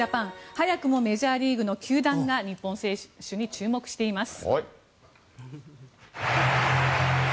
早くもメジャーリーグの球団が日本選手に注目しています。